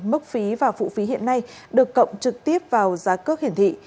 mức phí và phụ phí hiện nay được cộng trực tiếp vào giá cước hiển thị